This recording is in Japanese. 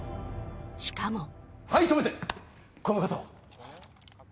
しかもはい止めてこの方は？